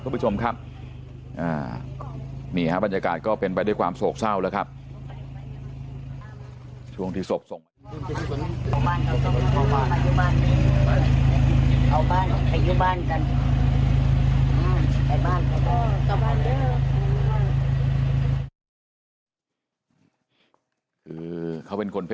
ไม่ครับที่มันกว้างที่เยอะเยอะ